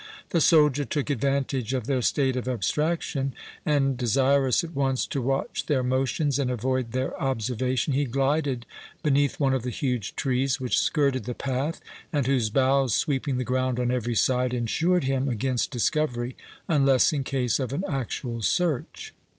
The soldier took advantage of their state of abstraction, and, desirous at once to watch their motions and avoid their observation, he glided beneath one of the huge trees which skirted the path, and whose boughs, sweeping the ground on every side, ensured him against discovery, unless in case of an actual search.